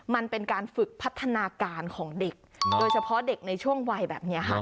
มันเป็นการฝึกพัฒนาการของเด็กโดยเฉพาะเด็กในช่วงวัยแบบนี้ค่ะ